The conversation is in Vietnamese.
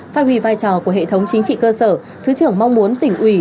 phát huy vai trò của hệ thống chính trị cơ sở thứ trưởng mong muốn tỉnh ủy